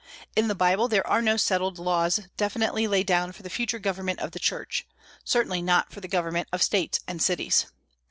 In the Bible there are no settled laws definitely laid down for the future government of the Church, certainly not for the government of States and cities.